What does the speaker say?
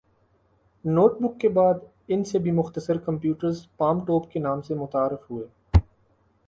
note book کے بعد ان سے بھی مختصر کمپیوٹرز پام ٹوپ کے نام سے متعارف ہوئے